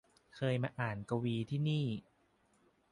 เคยมาอ่านกวีที่นี่